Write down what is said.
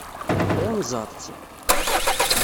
Tɣunzaḍ-tt?